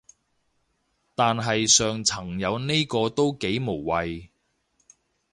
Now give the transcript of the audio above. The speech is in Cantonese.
但係上層有呢個都幾無謂